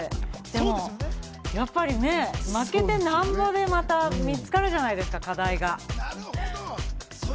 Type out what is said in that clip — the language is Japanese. でも、やっぱり負けてなんぼでまた見つかるじゃないですか、課題が。